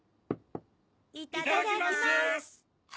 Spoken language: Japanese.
いただきます。